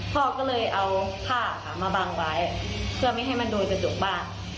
พ่อก็เลยเอาผ้าค่ะมาบังไว้เพื่อไม่ให้มันโดนกระจกบ้าน